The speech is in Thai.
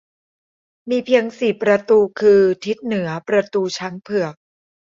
มีเพียงสี่ประตูคือ ทิศเหนือประตูช้างเผือก